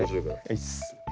ういっす。